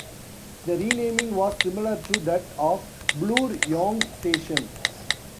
The renaming was similar to that of Bloor-Yonge Station.